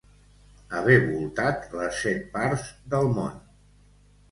Haver voltat les set parts del món.